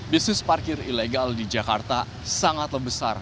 bisnis parkir ilegal di jakarta sangatlah besar